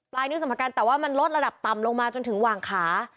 ปลายนิ้วสัมผัสกันแต่ว่ามันลดระดับต่ำลงมาจนถึงหว่างค้า